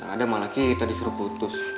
ada malah kita disuruh putus